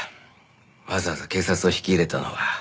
わざわざ警察を引き入れたのは。